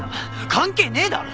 関係ねえだろ！